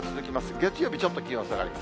月曜日、ちょっと気温下がります。